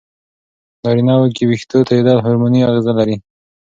په نارینه وو کې وېښتو توېیدل هورموني اغېزه لري.